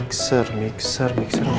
papa yang jauh jauh